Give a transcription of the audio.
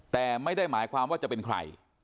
แต่ไม่ได้หมายความว่าจะเป็นใคร